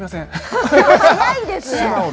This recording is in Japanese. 早いです。